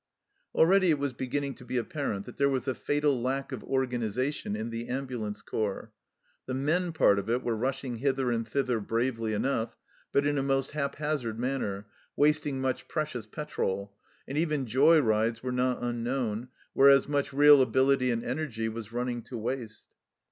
Already it was beginning to be apparent that there was a fatal lack of organization in the ambu lance corps. The men part of it were rushing hither and thither bravely enough, but in a most haphazard manner, wasting much precious petrol, and even joy rides were not unknown, whereas much real ability and energy was running to waste.